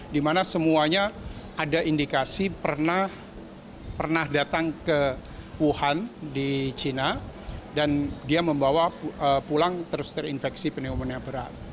dimana semuanya ada indikasi pernah datang ke wuhan di china dan dia membawa pulang terus terinfeksi pneumonia berat